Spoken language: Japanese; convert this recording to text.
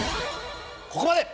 ここまで！